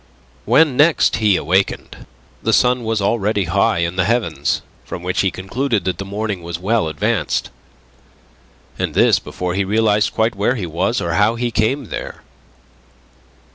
When next he awakened, the sun was already high in the heavens, from which he concluded that the morning was well advanced; and this before he realized quite where he was or how he came there.